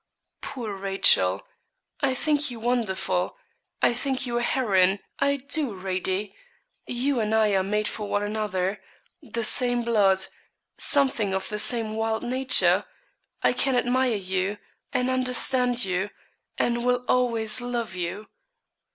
'Poor Rachel! I think you wonderful I think you a heroine I do, Radie; you and I are made for one another the same blood something of the same wild nature; I can admire you, and understand you, and will always love you.'